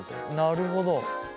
なるほど。